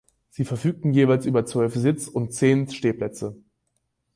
Sie verfügten jeweils über zwölf Sitz- und zehn Stehplätze.